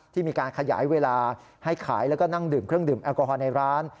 ที่มีการขยายเวลาให้ขายแล้วก็นั่งดื่มเครื่องดื่มแอลกอฮอลในร้าน